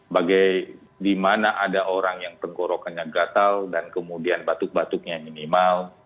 bagaimana ada orang yang tenggorokannya gatal dan kemudian batuk batuknya minimal